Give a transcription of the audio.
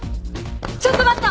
ちょっと待った！